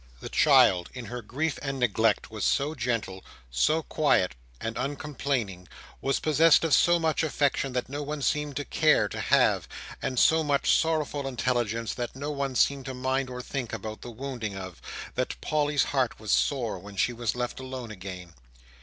The child, in her grief and neglect, was so gentle, so quiet, and uncomplaining; was possessed of so much affection that no one seemed to care to have, and so much sorrowful intelligence that no one seemed to mind or think about the wounding of, that Polly's heart was sore when she was left alone again.